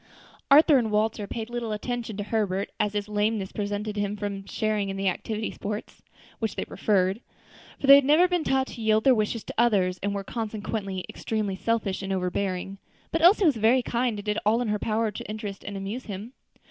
Arthur and Walter paid but little attention to Herbert, as his lameness prevented him from sharing in the active sports which they preferred; for they had never been taught to yield their wishes to others, and were consequently extremely selfish and overbearing; but Elsie was very kind, and did all in her power to interest and amuse him.